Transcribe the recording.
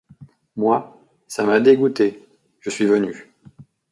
Moi, ça m’a dégoûtée, je suis venue...